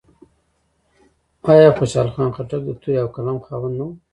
آیا خوشحال خان خټک د تورې او قلم خاوند نه و؟